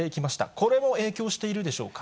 これも影響しているでしょうか。